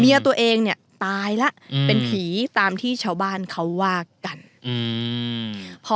ตัวเองเนี่ยตายแล้วอืมเป็นผีตามที่ชาวบ้านเขาว่ากันอืม